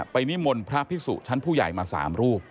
นิมนต์พระพิสุชั้นผู้ใหญ่มา๓รูป